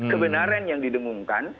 kebenaran yang didengungkan